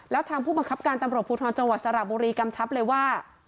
แล้วทางผู้บังคับการตำรวจภูทรจังหวัดสระบุรีกำชับเลยว่า